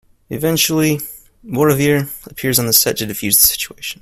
Eventually, Bouvier appears on the set to defuse the situation.